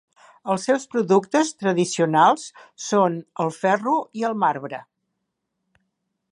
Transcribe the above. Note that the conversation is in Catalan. Els seus productes tradicionals són el ferro i el marbre.